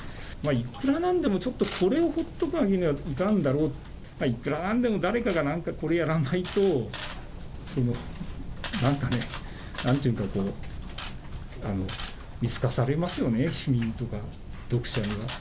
いくらなんでも、これを放っておくわけにはいかんだろう、いくらなんでも誰かがこれをやらないと、なんかね、なんていうかこう、見透かされますよね、市民とか、読者には。